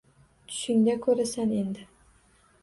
Tushingda ko'rasan endi!